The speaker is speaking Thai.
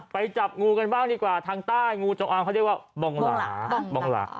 ไปจับงูกันบ้างดีกว่าทางใต้งูจงอางเขาเรียกว่าบองหลาบองหลา